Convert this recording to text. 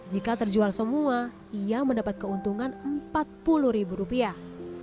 jika terjual semua ia mendapat keuntungan empat puluh ribu rupiah